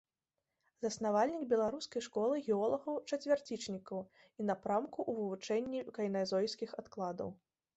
Заснавальнік беларускай школы геолагаў-чацвярцічнікаў і напрамку ў вывучэнні кайназойскіх адкладаў.